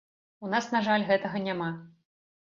У нас, на жаль, гэтага няма.